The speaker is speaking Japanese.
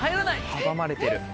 阻まれてる。